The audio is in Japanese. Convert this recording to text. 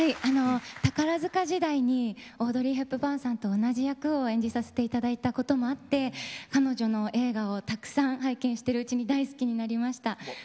宝塚時代にオードリー・ヘップバーンさんと同じ役を演じさせていただいたこともあって彼女の映画をたくさん拝見しているうちに大好きになりました。